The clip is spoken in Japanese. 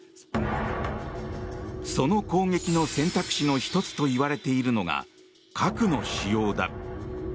その攻撃の選択肢の１つといわれているのが、核の使用だ。